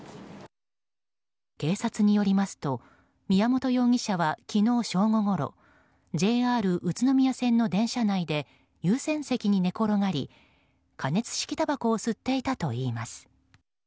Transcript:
警察によりますと宮本容疑者は昨日正午ごろＪＲ宇都宮線の電車内で優先席に寝転がり加熱式たばこを吸っていたといいます。